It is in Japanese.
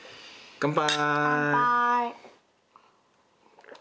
乾杯！